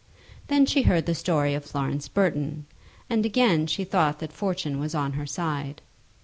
Then she heard the story of Florence Burton; and again she thought that Fortune was on her side.